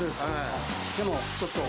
でもちょっと。